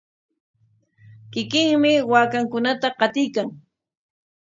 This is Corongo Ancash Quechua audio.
Kikinmi waakankunata qatiykan.